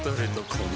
この